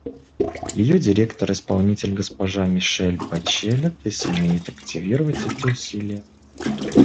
Ее Директор-исполнитель госпожа Мишель Бачелет сумеет активизировать эти усилия.